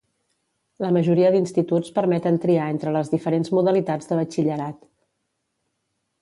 La majoria d'instituts permeten triar entre les diferents modalitats de batxillerat.